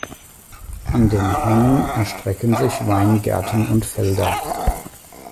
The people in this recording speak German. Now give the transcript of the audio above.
An den Hängen erstrecken sich Weingärten und Felder.